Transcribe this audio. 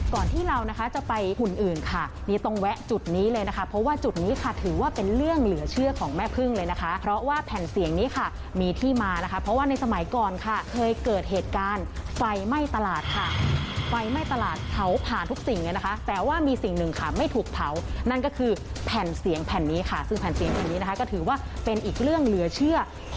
ก่อนที่เรานะคะจะไปหุ่นอื่นค่ะมีตรงแวะจุดนี้เลยนะคะเพราะว่าจุดนี้ค่ะถือว่าเป็นเรื่องเหลือเชื่อของแม่พึ่งเลยนะคะเพราะว่าแผ่นเสียงนี้ค่ะมีที่มานะคะเพราะว่าในสมัยก่อนค่ะเคยเกิดเหตุการณ์ไฟไหม้ตลาดค่ะไฟไหม้ตลาดเผาผ่านทุกสิ่งเลยนะคะแปลว่ามีสิ่งหนึ่งค่ะไม่ถูกเผานั่นก็คือแผ่นเสียงแผ่